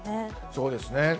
そうですね。